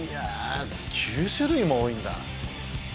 ９種類も多いんだ。